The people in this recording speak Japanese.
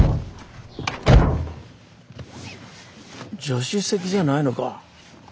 助手席じゃないのか。